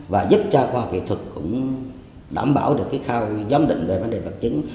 và giúp cho qua kỹ thuật cũng đảm bảo được cái khao giám định về vấn đề vật chứng